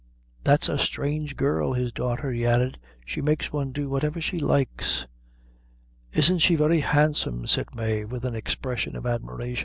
That's a strange girl his daughter," he added; "she makes one do whatever she likes." "Isn't she very handsome?" said Mave, with an expression of admiration.